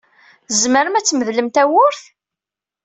Tzemrem ad tmedlem tawwurt?